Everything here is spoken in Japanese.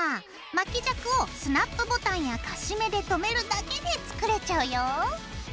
巻き尺をスナップボタンやカシメでとめるだけで作れちゃうよ。